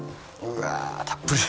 うわーたっぷり。